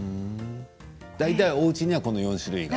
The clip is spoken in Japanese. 大体おうちにはこの４種類が。